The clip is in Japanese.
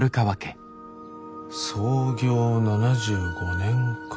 創業７５年か。